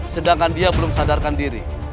sedangkan dia belum sadarkan diri